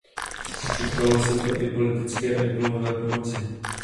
Týkalo se to i politické a diplomatické pomoci.